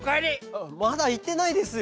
あまだいってないですよ。